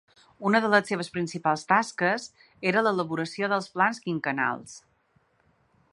Una de les seves principals tasques era l'elaboració dels plans quinquennals.